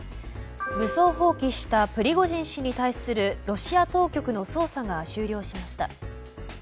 武装蜂起したプリゴジン氏に対するロシア当局の捜査が終了しました。